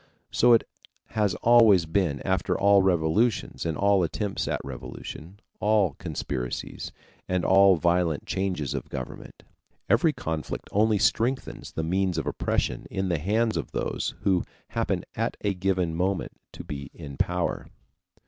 So it has always been after all revolutions and all attempts at revolution, all conspiracies, and all violent changes of government. Every conflict only strengthens the means of oppression in the hands of those who happen at a given moment to be in power.